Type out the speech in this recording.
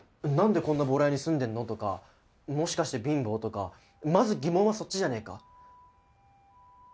「なんでこんなボロ家に住んでんの？」とか「もしかして貧乏？」とかまず疑問はそっちじゃねえか？